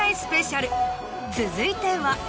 続いては。